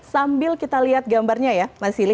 sambil kita lihat gambarnya ya mas sili